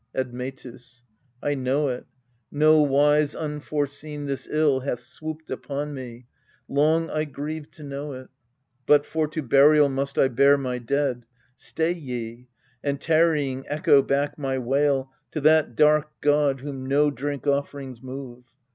Admetus. I know it : nowise unforeseen this ill Hath swooped upon me : long I grieved to know it. But for to burial must I bear my dead Stay ye, and, tarrying, echo back my wail To that dark god whom no drink offerings move.